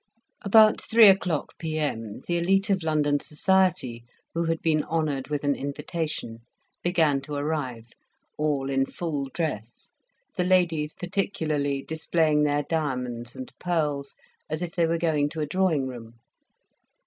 About three o'clock P.M. the elite of London society, who had been honoured with an invitation, began to arrive all in full dress; the ladies particularly displaying their diamonds and pearls, as if they were going to a drawing room.